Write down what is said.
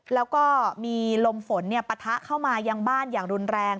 แล้วก็มีลมฝนปะทะเข้ามายังบ้านอย่างรุนแรง